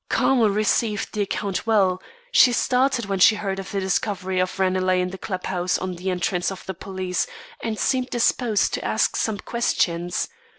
Carmel received the account well. She started when she heard of the discovery of Ranelagh in the club house on the entrance of the police, and seemed disposed to ask some questions.